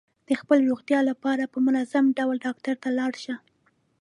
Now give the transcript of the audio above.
د خپل روغتیا لپاره په منظم ډول ډاکټر ته لاړ شه.